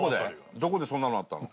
どこでそんなのあったの？